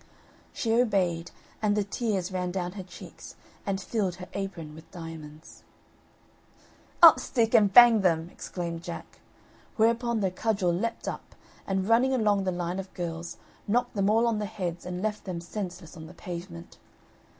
She obeyed, and the tears ran down her cheeks, and filled her apron with diamonds. "Up stick and bang them!" exclaimed Jack; whereupon the cudgel leaped up, and running along the line of girls, knocked them all on the heads and left them senseless on the pavement.